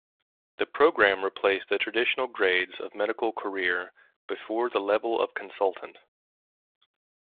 The programme replaced the traditional grades of medical career before the level of Consultant.